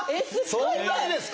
そんなにですか？